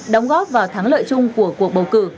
đóng góp vào thắng lợi chung của cuộc bầu cử